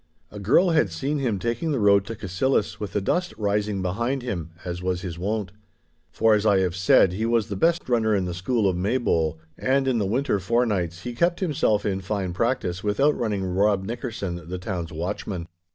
A girl had seen him taking the road to Cassillis with the dust rising behind him, as was his wont. For, as I have said, he was the best runner in the school of Maybole, and in the winter forenights he kept himself in fine practice with outrunning Rob Nickerson, the town's watchman.